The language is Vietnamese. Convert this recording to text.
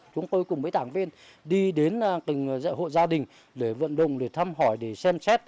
chúng tôi cùng với đảng viên đi đến từng hộ gia đình để vận động để thăm hỏi để xem xét